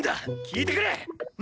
聞いてくれ凪！